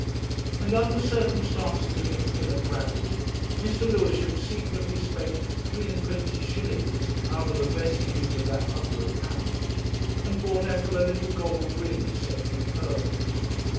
And, under circumstances of infinite gravity, Mr. Lewisham secretly spent three and twenty shillings out of the vestiges of that hundred pounds, and bought Ethel a little gold ring set with pearls.